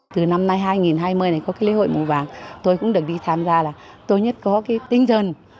từ năm hai nghìn hai mươi này có cái lễ hội mùa vàng tôi cũng được đi tham gia là tôi nhất có cái tinh thần